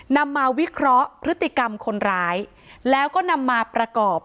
นำมาวิเคราะห์พฤติกรรมคนร้ายแล้วก็นำมาประกอบ